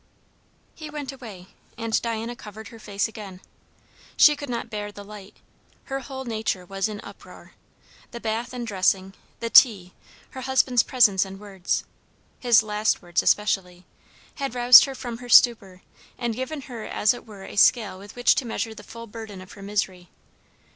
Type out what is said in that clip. '" He went away; and Diana covered her face again. She could not bear the light. Her whole nature was in uproar. The bath and dressing, the tea, her husband's presence and words, his last words especially, had roused her from her stupor, and given her as it were a scale with which to measure the full burden of her misery.